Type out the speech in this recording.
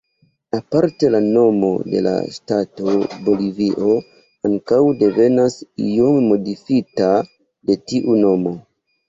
Aparte, la nomo de la ŝtato Bolivio ankaŭ devenas, iom modifita, de tiu nomo.